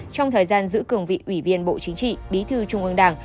trong thời gian giữ cường vị ủy viên bộ chính trị bí thư trung ương đảng